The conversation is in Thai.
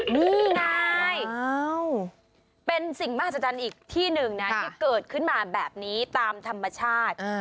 นี่ไงเป็นสิ่งมหัศจรรย์อีกที่หนึ่งนะที่เกิดขึ้นมาแบบนี้ตามธรรมชาติ